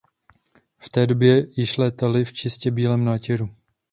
V té době již létaly v čistě bílém nátěru.